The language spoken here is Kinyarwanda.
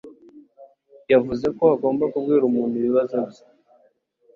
yavuze ko agomba kubwira umuntu ibibazo bye.